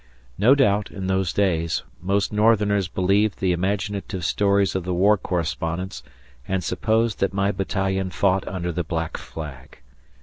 No doubt, in those days, most Northerners believed the imaginative stories of the war correspondents and supposed that my battalion fought under the black flag.